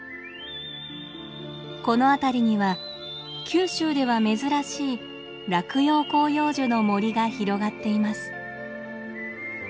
この辺りには九州では珍しい落葉広葉樹の森が広がっています。